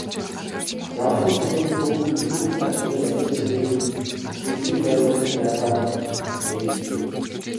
Жаргалан сумын төв энүүхэн агшны анир чимээгүйд дүнсийн нойрмоглож байгаа мэтээ.